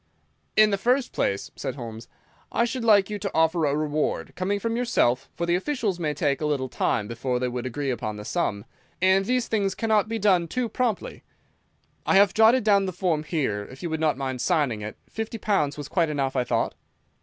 "In the first place," said Holmes, "I should like you to offer a reward—coming from yourself, for the officials may take a little time before they would agree upon the sum, and these things cannot be done too promptly. I have jotted down the form here, if you would not mind signing it. Fifty pounds was quite enough, I thought."